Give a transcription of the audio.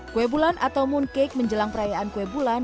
kue bulan atau mooncake menjelang perayaan kue bulan